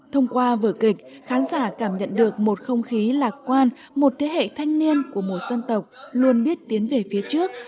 thông qua vở kịch khán giả cảm nhận được một không khí lạc quan một thế hệ thanh niên của một dân tộc luôn biết tiến về phía trước